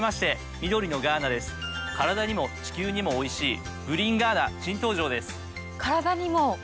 カラダにも地球にもおいしいグリーンガーナ新登場です。